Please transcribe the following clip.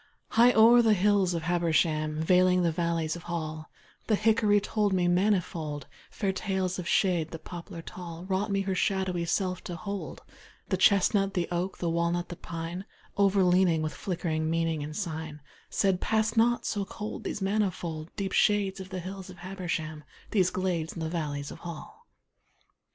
High o'er the hills of Habersham, Veiling the valleys of Hall, The hickory told me manifold Fair tales of shade, the poplar tall Wrought me her shadowy self to hold, The chestnut, the oak, the walnut, the pine, Overleaning, with flickering meaning and sign, Said, `Pass not, so cold, these manifold Deep shades of the hills of Habersham, These glades in the valleys of Hall.'